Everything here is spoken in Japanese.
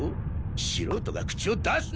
素人が口を出すな。